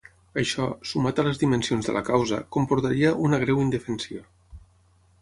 Això, sumat a les dimensions de la causa, comportaria ‘una greu indefensió’.